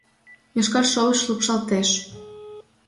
Йошкар шовыч лупшалтеш